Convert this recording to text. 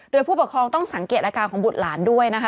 โดยผู้ปกครองต้องสังเกตอาการของบุตรหลานด้วยนะคะ